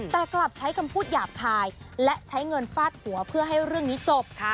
แต่กลับใช้คำพูดหยาบคายและใช้เงินฟาดหัวเพื่อให้เรื่องนี้จบ